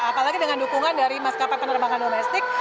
apalagi dengan dukungan dari maskapai penerbangan domestik